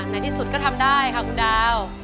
ในที่สุดก็ทำได้ค่ะคุณดาว